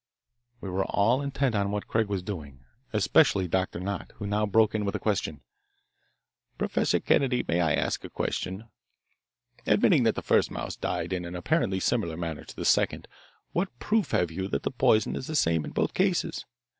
We were all intent on what Craig was doing, especially Doctor Nott, who now broke in with a question. "Professor Kennedy, may I ask a question? Admitting that the first mouse died in an apparently similar manner to the second, what proof have you that the poison is the same in both cases?